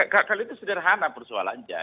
kalau itu sederhana persoalan saja